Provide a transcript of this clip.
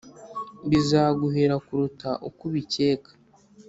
bizaguhira kuruta uko ubikeka